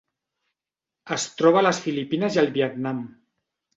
Es troba a les Filipines i al Vietnam.